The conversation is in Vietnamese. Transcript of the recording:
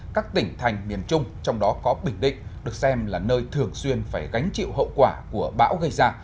các tỉnh thành miền trung trong đó có bình định được xem là nơi thường xuyên phải gánh chịu hậu quả của bão gây ra